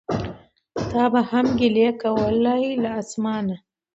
تا به هم ګیلې کولای له اسمانه